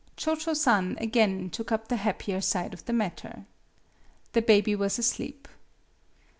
Cho Cho San again took up the happier side of the matter. The baby was asleep.